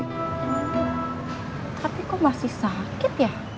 tapi kok masih sakit ya